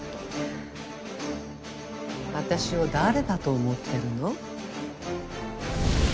私を誰だと思ってるの？